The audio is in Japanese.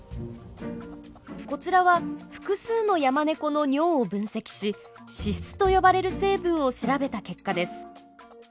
こちらは複数のヤマネコの尿を分析し脂質と呼ばれる成分を調べた結果です。